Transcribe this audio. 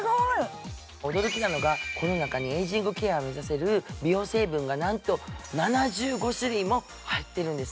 驚きなのが、この中にエイジングケアが目指せる美容成分がなんと７５種類も入っているんです。